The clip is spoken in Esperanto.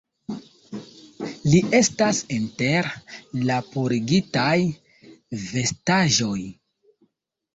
Li estas inter la purigitaj vestaĵoj